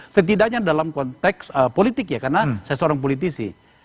setidaknya dalam konteks politik ya karena saya seorang politisi